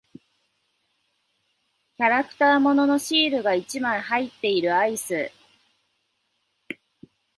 キャラクター物のシールが一枚入っているアイス。